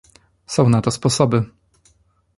"Są na to sposoby."